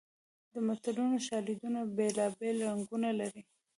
د متلونو شالیدونه بېلابېل رنګونه لري